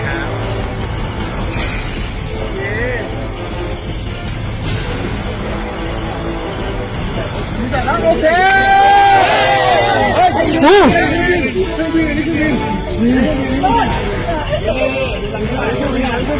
ตรงนั้นตรงนั้นตรงนั้น